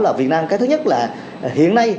là việt nam cái thứ nhất là hiện nay